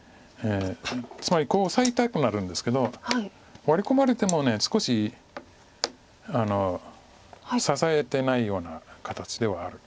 つまりこうオサえたくなるんですけどワリ込まれても少し支えてないような形ではある。